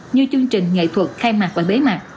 như chương trình nghệ thuật khai mạc và bế mạc